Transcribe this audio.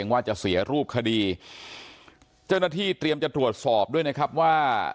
ว่าจะเสียรูปคดีเจ้าหน้าที่เตรียมจะตรวจสอบด้วยนะครับว่า